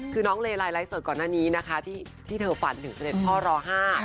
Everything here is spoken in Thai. คือน้องเลไลน์ไลฟ์สดก่อนหน้านี้นะคะที่เธอฝันถึงเสด็จพ่อรอห้า